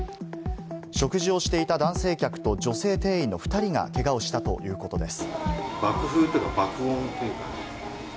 食事をしていた男性客と女性店員の２人がけがをしたということです。